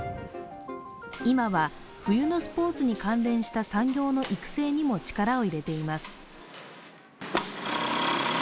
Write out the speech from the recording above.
今は冬のスポーツに関連した産業の育成にも力を入れています。